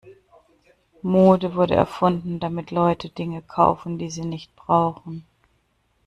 Mode wurde erfunden, damit Leute Dinge kaufen, die sie nicht brauchen.